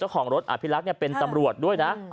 เจ้าของรถอธิรักษ์เนี่ยเป็นตำรวจด้วยนะ